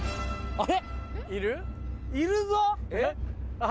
あれ。